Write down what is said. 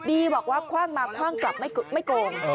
บอกว่าคว่างมาคว่างกลับไม่โกง